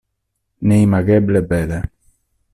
Neimageble bele.